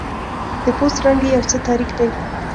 د پوست رنګ یې یو څه تاریک دی.